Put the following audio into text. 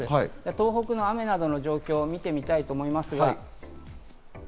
東北の雨などの状況を見ていきたいと思います。